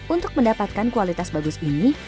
untuk mendapatkan kualitas bagus ini